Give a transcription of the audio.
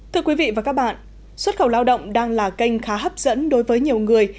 thưa quý vị và các bạn xuất khẩu lao động đang là kênh khá hấp dẫn đối với nhiều người